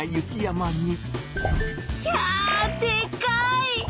ひゃでかい！